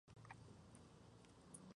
Florece y fructifica de Marzo a Mayo.